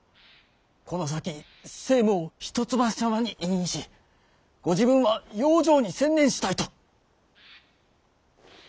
この先政務を一橋様に委任しご自分は養生に専念したいと！